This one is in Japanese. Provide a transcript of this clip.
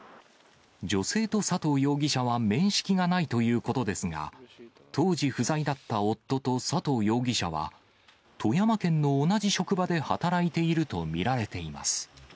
女性と佐藤容疑者は面識がないということですが、当時不在だった夫と佐藤容疑者は、富山県の同じ職場で働いていると見られています。